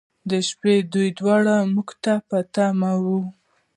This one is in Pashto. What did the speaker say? شپې، دوی دواړه موږ ته په تمه و.